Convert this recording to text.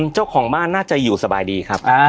เจ้าของบ้านน่าจะอยู่สบายดีครับ